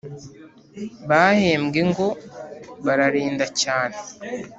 Bahembwe ngo bararinda cyane